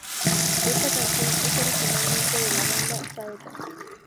Esta canción es originalmente de la banda Saeta.